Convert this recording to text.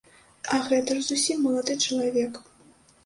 А гэта ж зусім малады чалавек.